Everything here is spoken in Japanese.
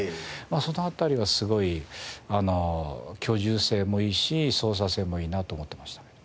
その辺りはすごい居住性もいいし操作性もいいなと思ってましたね。